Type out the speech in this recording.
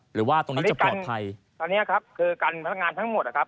หรือว่าตรงนี้จะปลอดภัยตอนเนี้ยครับคือการพนักงานทั้งหมดนะครับ